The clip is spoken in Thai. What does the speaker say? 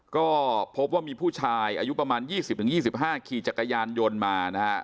ก็พบว่ามีผู้ชายอายุประมาณ๒๐๒๕ขี่จักรยานยนต์มานะฮะ